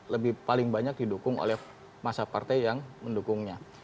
lebih paling banyak didukung oleh masa partai yang mendukungnya